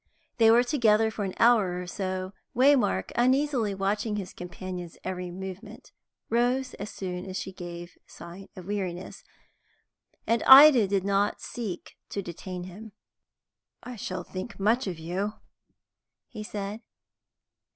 They were together for an hour or so. Waymark, uneasily watching his companion's every movement, rose as soon as she gave sign of weariness, and Ida did not seek to detain him. "I shall think much of you," he said.